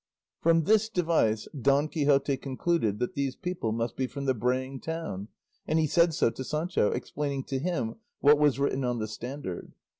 From this device Don Quixote concluded that these people must be from the braying town, and he said so to Sancho, explaining to him what was written on the standard.